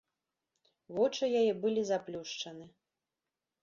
Вочы яе былі заплюшчаны.